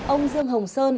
ông dương hồng sơn